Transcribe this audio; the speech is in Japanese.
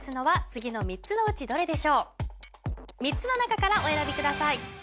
３つの中からお選びください